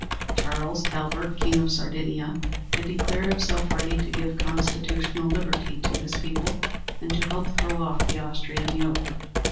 Charles Albert, King of Sardinia, had declared himself ready to give constitutional liberty to his people, and to help throw off the Austrian yoke.